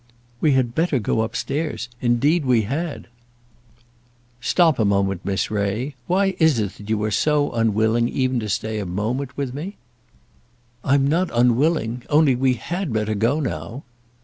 "We had better go up stairs. Indeed we had." "Stop a moment, Miss Ray. Why is it that you are so unwilling even to stay a moment with me?" "I'm not unwilling. Only we had better go now."